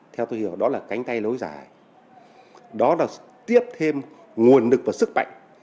theo tôi hiểu đó là cánh tay lối giải đó là tiếp thêm nguồn lực và sức mạnh